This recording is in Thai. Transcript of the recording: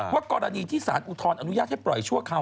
กรณีที่สารอุทธรณอนุญาตให้ปล่อยชั่วคราว